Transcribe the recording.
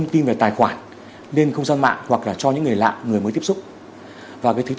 tuyệt đối bình tĩnh và chủ động xác thực